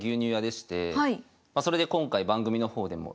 それで今回番組の方でも